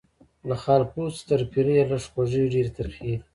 له خالپوڅو تر پیریه لږ خوږې ډیري ترخې دي